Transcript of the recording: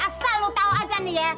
asal lo tau aja nih ya